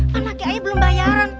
mana lagi aja belum bayaran